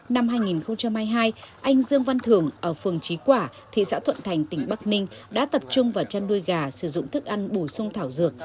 năm hai nghìn hai mươi hai anh dương văn thưởng ở phường trí quả thị xã thuận thành tỉnh bắc ninh đã tập trung vào chăn nuôi gà sử dụng thức ăn bổ sung thảo dược